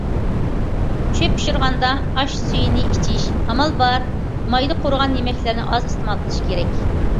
چۆپ پىشۇرغاندا ئاش سۈيى ئىچىش، ئامال بار مايدا قورۇغان يېمەكلىكلەرنى ئاز ئىستېمال قىلىش كېرەك.